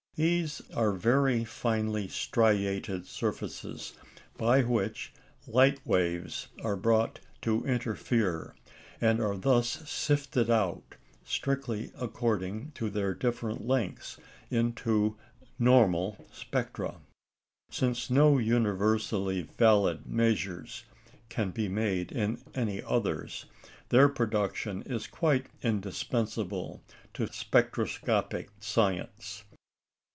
These are very finely striated surfaces, by which light waves are brought to interfere, and are thus sifted out, strictly according to their different lengths, into "normal" spectra. Since no universally valid measures can be made in any others, their production is quite indispensable to spectroscopic science.